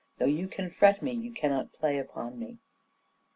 Though you can fret me, you cannot play upon me."